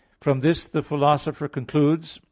From this the Philosopher concludes (Metaph.